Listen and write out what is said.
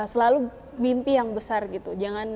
selalu mimpi yang besar gitu